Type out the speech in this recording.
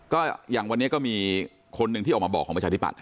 ก็อย่างวันนี้ก็มีคนหนึ่งที่ออกมาบอกของประชาธิบัตย